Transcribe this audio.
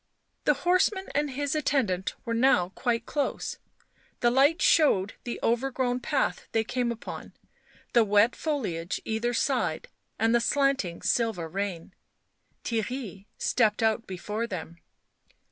The horseman and his attendant were now quite close ; the light showed the overgrown path they came upon, the wet foliage either side and the slanting silver rain ; Theirry stepped out before them.